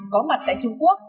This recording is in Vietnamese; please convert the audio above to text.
có mặt tại trung quốc